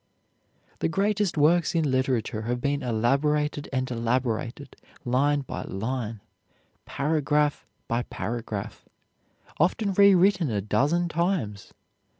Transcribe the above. The greatest works in literature have been elaborated and elaborated, line by line, paragraph by paragraph, often rewritten a dozen times.